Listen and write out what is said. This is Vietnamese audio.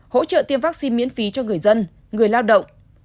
hỗ trợ tiêm vaccine miễn phí cho người dân người lao động